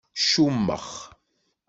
Čummex.